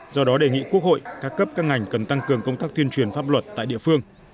do đó đề nghị quốc hội các cấp các ngành cần tăng cường công tác tuyên truyền pháp luật tại địa phương